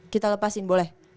kita lepasin boleh